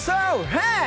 ヘイ！